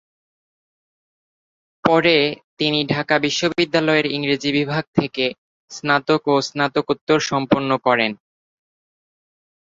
পরে তিনি ঢাকা বিশ্ববিদ্যালয়ের ইংরেজি বিভাগ থেকে স্নাতক ও স্নাতকোত্তর সম্পন্ন করেন।